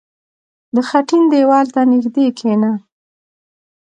• د خټین دیوال ته نژدې کښېنه.